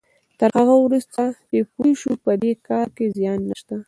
تر هغه وروسته چې پوه شو په دې کار کې زيان نشته.